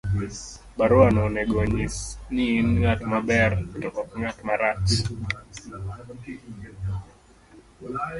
Baruano onego onyis ni in ng'at maber to ok ng'at marach.